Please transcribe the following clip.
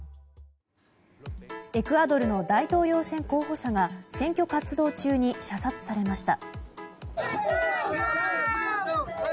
エクアドルの大統領選候補者が選挙活動中に射殺されました。